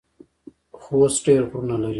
خوست ډیر غرونه لري